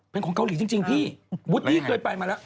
เป็นของเกาหลีจริงพี่มุติเกิดไปมาแล้ว